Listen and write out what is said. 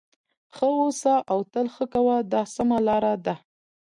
ښه اوسه او تل ښه کوه دا سمه لار ده.